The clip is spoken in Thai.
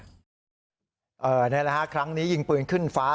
นี่แหละฮะครั้งนี้ยิงปืนขึ้นฟ้า